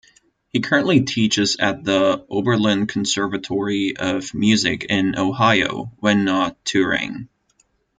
He currently teaches at the Oberlin Conservatory of Music in Ohio, when not touring.